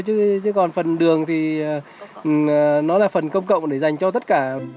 chứ còn phần đường thì nó là phần công cộng để dành cho tất cả